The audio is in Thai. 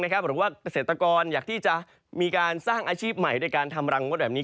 หรือว่าเกษตรกรอยากที่จะมีการสร้างอาชีพใหม่ด้วยการทำรังงดแบบนี้